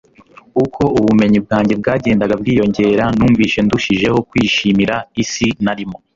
Uko ubumenyi bwanjye bwagendaga bwiyongera numvise ndushijeho kwishimira isi narimo.”